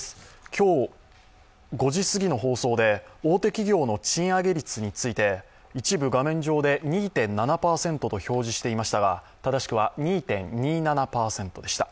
今日５時すぎの放送で、大手企業の賃上げ率について一部画面上で２．７％と表示していましたが正しくは２．２７％でした。